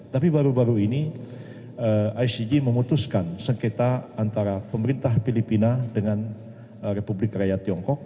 tapi baru baru ini icg memutuskan sengketa antara pemerintah filipina dengan republik rakyat tiongkok